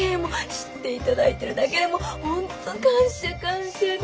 知って頂いてるだけでもう本当感謝感謝で。